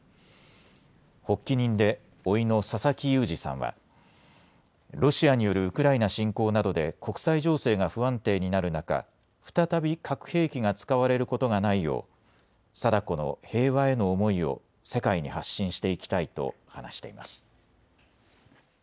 発起人でおいの佐々木祐滋さんは、ロシアによるウクライナ侵攻などで、国際情勢が不安定になる中、再び核兵器が使われることがないよう、禎子の平和への思いを世界に発信していきたいと話しています。